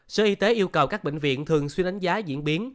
sở y tế yêu cầu các bệnh viện thường xuyên đánh giá diễn biến